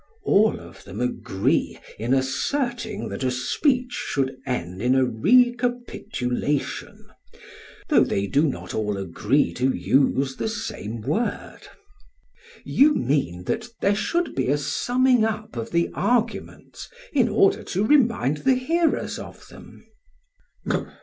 All of them agree in asserting that a speech should end in a recapitulation, though they do not all agree to use the same word. PHAEDRUS: You mean that there should be a summing up of the arguments in order to remind the hearers of them.